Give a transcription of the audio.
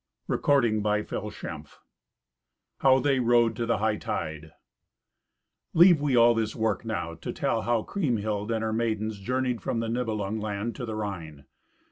Thirteenth Adventure How They Rode to the Hightide Leave we all this work now, to tell how Kriemhild and her maidens journeyed from the Nibelung land to the Rhine.